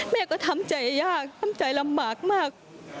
แม่ก็ทำใจยากทำใจลำบากมาก